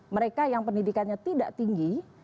mereka yang pendidikannya tidak tinggi